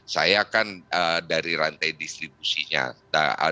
saya kan dari rantai distribusinya